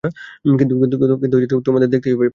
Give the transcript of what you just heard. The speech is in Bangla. কিন্তু, তোমাদের দেখতেই হবে এটা!